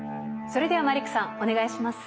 それではマリックさんお願いします。